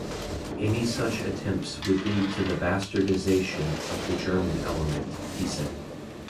Any such attempts would lead to the 'bastardization' of the German element he said.